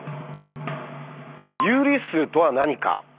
有理数とは何か？